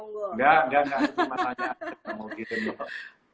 enggak enggak cuma tanya aku mau kirim